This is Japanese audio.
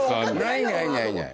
ないないないない。